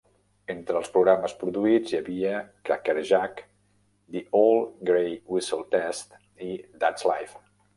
Entre els programes produïts hi havia "Crackerjack", "The Old Grey Whistle Test" i "That's Life!